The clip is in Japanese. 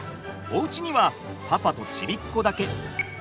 おうちにはパパとちびっこだけ。